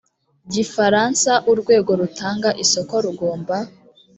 gifaransa urwego rutanga isoko rugomba